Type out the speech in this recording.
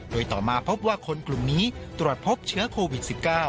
โดยต่อมาพบว่าคนกลุ่มนี้ตรวจพบเชื้อโควิด๑๙